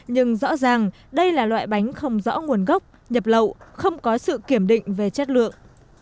nhưng rõ ràng đây là loại bánh không rõ nguồn gốc nhập lậu không có sự kiểm định về chất lượng